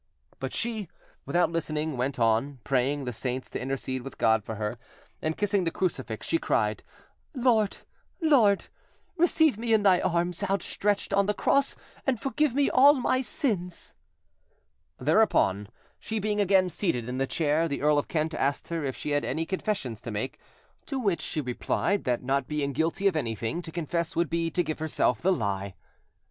But she, without listening, went on, praying the saints to intercede with God for her, and kissing the crucifix, she cried— "Lord! Lord! receive me in Thy arms out stretched on the cross, and forgive me all my sins!" Thereupon,—she being again seated in the chair, the Earl of Kent asked her if she had any confession to make; to which she replied that, not being guilty of anything, to confess would be to give herself, the lie.